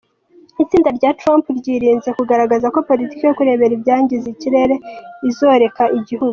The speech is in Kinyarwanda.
Itsinda rya Trump ryirinze kugaragaza ko politiki yo kureberera ibyangiza ikirere izoreka igihugu.